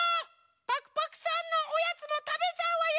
パクパクさんのおやつもたべちゃうわよ！